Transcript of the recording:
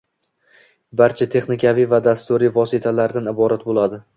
barcha texnikaviy va dasturiy vositalardan iborat bo‘ladi.